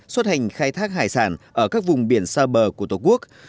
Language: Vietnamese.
xuất hành khai thác hải sản ở các vùng biển xa bờ của tổ quốc